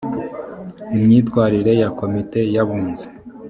imyitwarire ya komite y’abunzi